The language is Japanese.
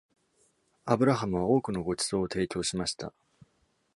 Abraham は多くのご馳走を提供しました。